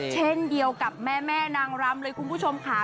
เช่นเดียวกับแม่นางรำเลยคุณผู้ชมค่ะ